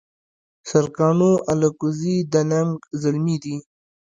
سرکاڼو الکوزي د ننګ زلمي دي